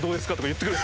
言ってくる。